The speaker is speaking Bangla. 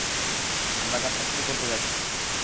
আমরা যাত্রা শুরু করতে যাচ্ছি।